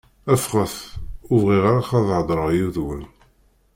Ffɣet! Ur bɣiɣ ara ad heḍṛeɣ yid-wen!